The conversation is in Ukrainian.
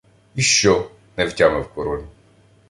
— І що? — не втямив король.